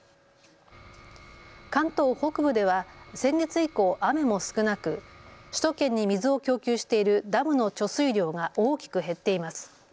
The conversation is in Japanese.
関東北部では先月以降、雨も少なく首都圏に水を供給しているダムの貯水量が大きく減っています。